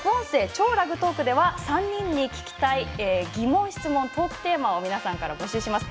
「超ラグトーク」では３人に聞きたい疑問、質問、トークテーマを皆さんから募集します。